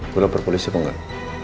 gue lapar polisi apa enggak